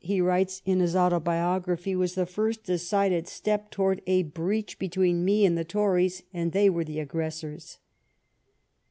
21 writes in his autobiography^ " was the first decided step towards a breach between me and the Tories, and they were the aggressors."